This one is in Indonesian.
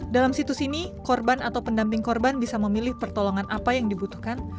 dalam situs ini korban atau pendamping korban bisa memilih pertolongan apa yang dibutuhkan